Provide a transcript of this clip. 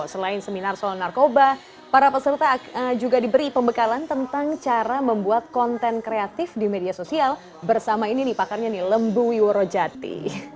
selain seminar soal narkoba para peserta juga diberi pembekalan tentang cara membuat konten kreatif di media sosial bersama ini nih pakarnya nih lembu wiworojati